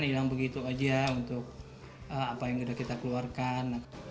bilang begitu aja untuk apa yang sudah kita keluarkan